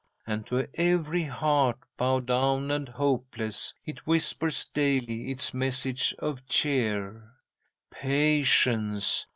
And to every heart bowed down and hopeless, it whispers daily its message of cheer: "'"_Patience!